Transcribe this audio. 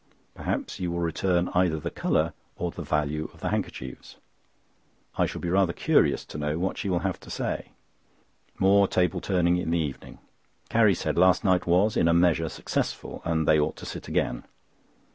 Perhaps you will return either the colour or the value of the handkerchiefs." I shall be rather curious to know what she will have to say. More table turning in the evening. Carrie said last night was in a measure successful, and they ought to sit again.